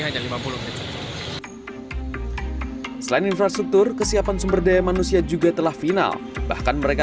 hanya lima puluh menit selain infrastruktur kesiapan sumber daya manusia juga telah final bahkan mereka